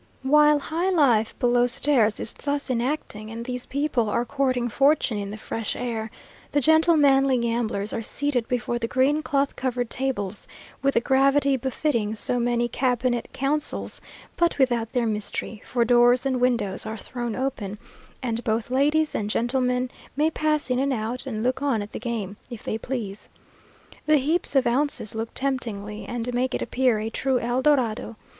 While "high life below stairs" is thus enacting, and these people are courting fortune in the fresh air, the gentlemanly gamblers are seated before the green cloth covered tables, with the gravity befitting so many cabinet councils; but without their mystery, for doors and windows are thrown open, and both ladies and gentlemen may pass in and out, and look on at the game, if they please. The heaps of ounces look temptingly, and make it appear a true El Dorado.